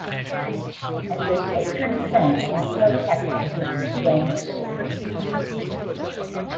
As a patron saint, he protects against the dangers of the sea.